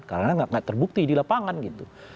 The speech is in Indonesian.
karena nggak terbukti di lapangan gitu